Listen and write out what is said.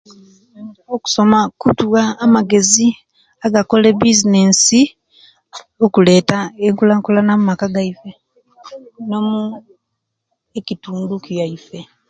Okusoma kutuwa amagezi agakola ebizinesi okuleta enkulakulana omaka gaifuwe bomukitundu kyaifuwe